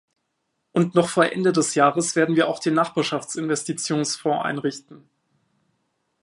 Und noch vor Ende des Jahres werden wir auch den Nachbarschaftsinvestitionsfonds einrichten.